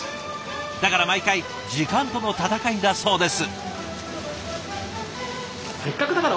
だから毎回時間との戦いだそうです。